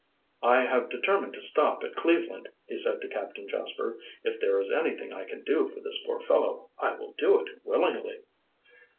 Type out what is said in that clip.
"I have determined to stop off at Cleveland," he said to Captain Jasper. "If there is anything I can do for this poor fellow, I will do it willingly."